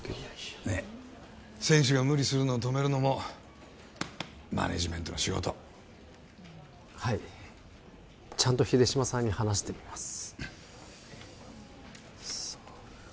いやいや選手が無理するのを止めるのもマネージメントの仕事はいちゃんと秀島さんに話してみます